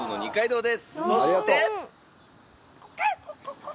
そして。